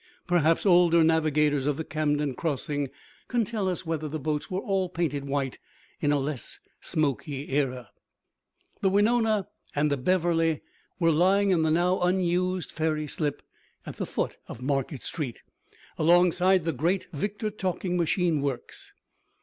Perhaps older navigators of the Camden crossing can tell us whether the boats were all painted white in a less smoky era? The Wenonah and the Beverly were lying in the now unused ferry slip at the foot of Market Street, alongside the great Victor Talking Machine works.